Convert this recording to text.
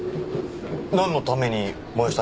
なんのために燃やしたんですか？